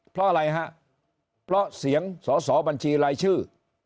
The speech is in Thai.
เพราะอะไรฮะเพราะเสียงสอสอบัญชีรายชื่อ